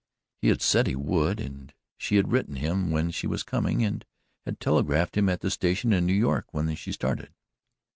He had said he would and she had written him when she was coming and had telegraphed him at the station in New York when she started.